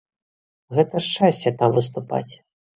Гэта шчасце там выступаць.